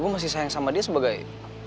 gue masih sayang sama dia sebagai